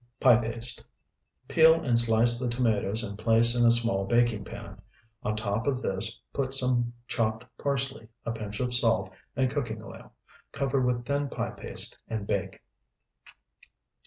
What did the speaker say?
Pie paste. Peel and slice the tomatoes and place in a small baking pan. On top of this put some chopped parsley, a pinch of salt, and cooking oil. Cover with thin pie paste and bake.